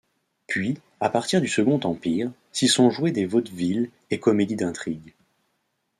Puis, à partir du Second Empire, s'y sont joués des vaudevilles et comédies d'intrigue.